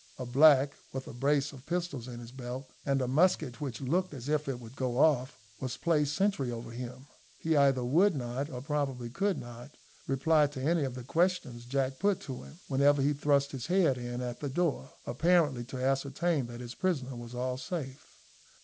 A black, with a brace of pistols in his belt, and a musket which looked as if it would go off, was placed sentry over him. He either would not, or probably could not, reply to any of the questions Jack put to him, whenever he thrust his head in at the door, apparently to ascertain that his prisoner was all safe.